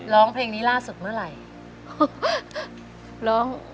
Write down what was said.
ร้องเพลงนี้ล่าสุดเมื่อไหร่